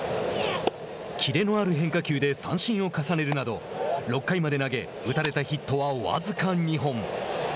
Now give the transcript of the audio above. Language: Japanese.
切れのある変化球で三振を重ねるなど６回まで投げ打たれたヒットは僅か２本。